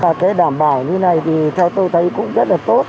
và cái đảm bảo như này thì theo tôi thấy cũng rất là tốt